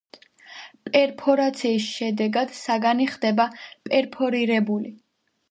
პერფორაციის შედეგად საგანი ხდება „პერფორირებული“.